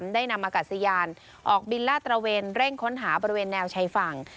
ได้นำอากาศยานออกบินลาดตระเวนเร่งค้นหาบริเวณแนวชายฝั่ง